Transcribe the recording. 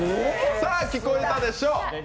さあ、聞こえたでしょう。